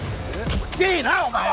いってえなお前は！